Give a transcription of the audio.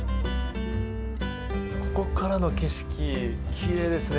ここからの景色奇麗ですね。